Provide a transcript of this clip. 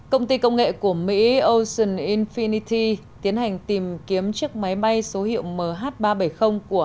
công ty công nghệ của mỹ ocean infinity tiến hành tìm kiếm chiếc máy bay số hiệu mh ba trăm bảy mươi của